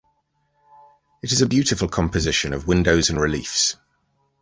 It is a beautiful composition of windows and reliefs.